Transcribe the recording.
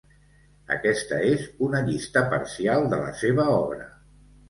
Aquesta és una llista parcial de la seva obra.